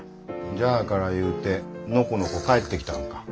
じゃあからいうてのこのこ帰ってきたんか。